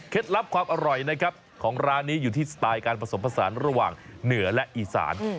ลับความอร่อยนะครับของร้านนี้อยู่ที่สไตล์การผสมผสานระหว่างเหนือและอีสาน